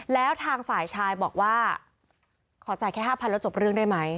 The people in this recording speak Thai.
แล้วทางฝ่ายชายบอกว่าขอจ่ายแค่๕๐๐แล้วจบเรื่องได้ไหม